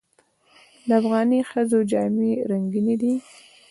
د افغاني ښځو جامې رنګینې دي.